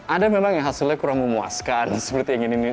ada memang yang hasilnya kurang memuaskan seperti ingin ini